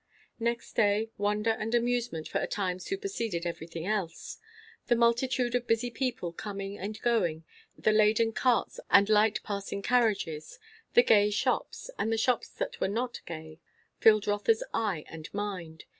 Next day, wonder and amusement for a time superseded everything else. The multitude of busy people coming and going, the laden carts and light passing carriages, the gay shops, and the shops that were not gay, filled Rotha's eye and mind.